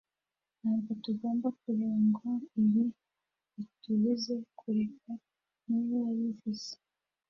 Ntabwo tugomba kureka ngo ibi bitubuze rukara niwe wabivuze